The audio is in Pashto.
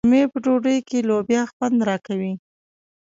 د غرمې په ډوډۍ کې لوبیا خوند راکوي.